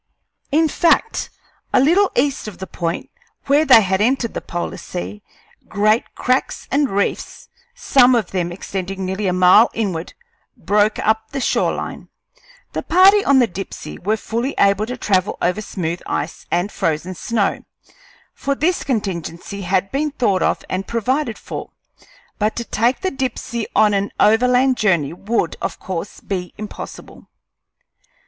In fact, a little east of the point where they had entered the polar sea great cracks and reefs, some of them extending nearly a mile inward, broke up the shore line. The party on the Dipsey were fully able to travel over smooth ice and frozen snow, for this contingency had been thought of and provided for; but to take the Dipsey on an overland journey would, of course, be impossible.